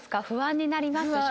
不安になります？